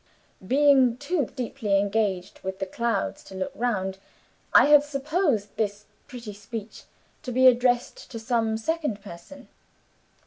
Being too deeply engaged with the clouds to look round, I had supposed this pretty speech to be addressed to some second person.